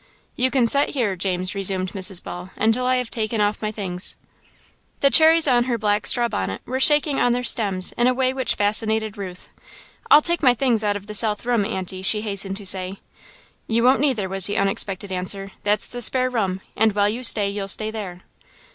"You can set here, James," resumed Mrs. Ball, "until I have taken off my things." The cherries on her black straw bonnet were shaking on their stems in a way which fascinated Ruth. "I'll take my things out of the south room, Aunty," she hastened to say. "You won't, neither," was the unexpected answer; "that's the spare room, and, while you stay, you'll stay there."